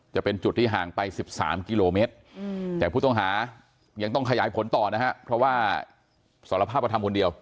จะเป็นจุดที่ห่างไป๑๓กิโลเมตรแต่ผู้ต้องหายังต้องขยายผลต่อนะฮะเพราะว่าสารภาพว่าทำคนเดียว